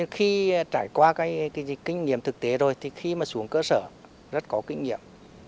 khi trải qua kinh nghiệm thực tế rồi khi xuống cơ sở rất có kinh nghiệm